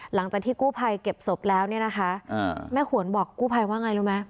หลังจากที่กู้ภัยเก็บศพแล้วเนี่ยนะคะแม่ขวนบอกกู้ภัยว่าไงรู้ไหม